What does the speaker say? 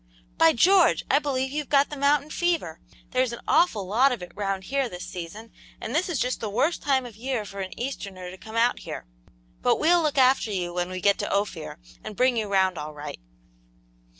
"By George! I believe you've got the mountain fever; there's an awful lot of it round here this season, and this is just the worst time of year for an easterner to come out here. But we'll look after you when we get to Ophir, and bring you round all right."